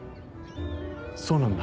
そうなんだ。